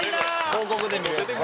広告で見るやつ。